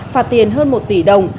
phạt tiền hơn một tỷ đồng